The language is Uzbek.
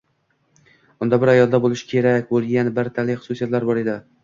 Unda bir ayolda bo'lishi kerak bo'lgan bir talay xususiyatlar bor edi.